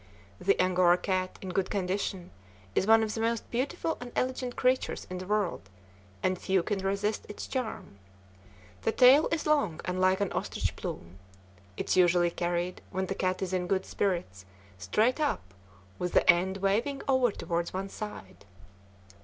The Angora cat, in good condition, is one of the most beautiful and elegant creatures in the world, and few can resist its charm. The tail is long and like an ostrich plume. It is usually carried, when the cat is in good spirits, straight up, with the end waving over toward one side.